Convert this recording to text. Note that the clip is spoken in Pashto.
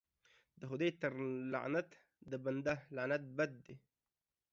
د خداى تر لعنت د بنده لعنت بد دى.